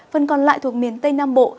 phần còn lại thuộc miền tây nam bộ